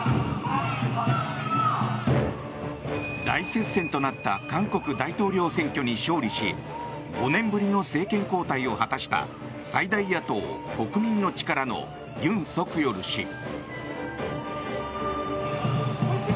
大接戦となった韓国大統領選挙に勝利し５年ぶりの政権交代を果たした最大野党・国民の力のユン・ソクヨル氏。